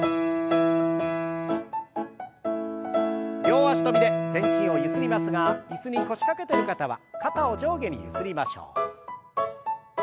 両脚跳びで全身をゆすりますが椅子に腰掛けてる方は肩を上下にゆすりましょう。